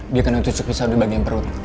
dia kena cucuk pisau di bagian perut